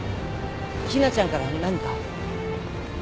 ひなちゃんから何か。